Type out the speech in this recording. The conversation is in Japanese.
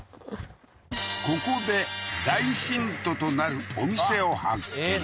ここで大ヒントとなるお店を発見